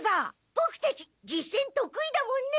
ボクたち実戦とくいだもんね。